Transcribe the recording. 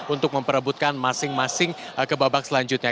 untuk memperebutkan masing masing ke babak selanjutnya